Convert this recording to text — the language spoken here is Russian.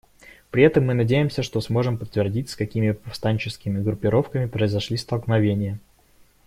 При этом мы надеемся, что сможем подтвердить, с какими повстанческими группировками произошли столкновения.